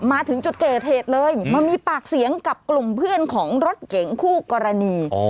มาถึงจุดเกิดเหตุเลยมามีปากเสียงกับกลุ่มเพื่อนของรถเก๋งคู่กรณี